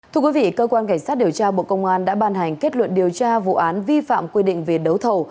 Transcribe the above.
thưa quý vị cơ quan cảnh sát điều tra bộ công an đã ban hành kết luận điều tra vụ án vi phạm quy định về đấu thầu